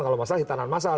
kalau masalah hitanan masalah